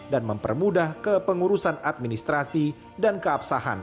dan mempermudah kepengurusan administrasi dan keabsahan